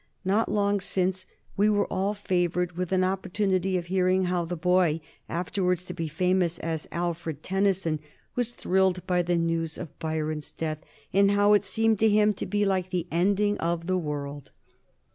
Not long since we were all favored with an opportunity of hearing how the boy, afterwards to be famous as Alfred Tennyson, was thrilled by the news of Byron's death, and how it seemed to him to be like the ending of the world.